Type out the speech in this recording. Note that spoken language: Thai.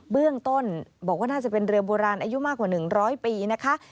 เบื้องต้นบอกว่าน่าจะเป็นเรือโบราณอายุมากกว่า๑๐๐ปีนะคะ